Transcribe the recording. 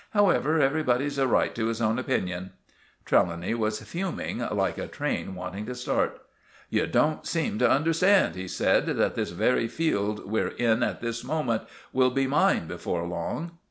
However, everybody's a right to his own opinion." Trelawny was fuming, like a train wanting to start. "You don't seem to understand," he said, "that this very field we're in at this moment will be mine before long!"